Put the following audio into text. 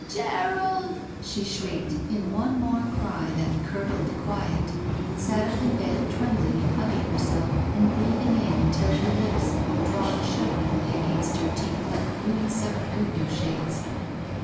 Gerald!" she shrieked, in one more cry that curdled the quiet, and sat up in bed, trembling and hugging herself, and breathing in until her lips were 99 BACK PAY drawn shudderingly against her teeth like wind^ sucked window shades.